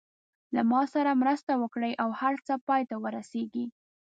له ما سره مرسته وکړي او هر څه پای ته ورسېږي.